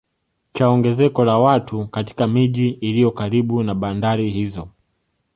Cha ongezeko la watu katika miji iliyo karibu na bandari hizo